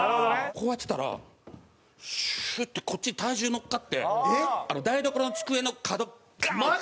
こうやってたらシュッてこっちに体重乗っかって台所の机の角ガン！って。